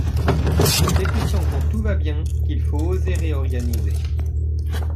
C’est pourtant quand tout va bien qu’il faut oser réorganiser.